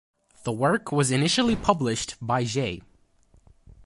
The work was initially published by J.